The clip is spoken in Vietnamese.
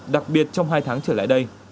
đặc biệt trong hai tháng trở lại đây